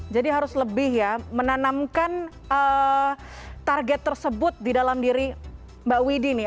jadi harus lebih ya menanamkan target tersebut di dalam diri mbak widih nih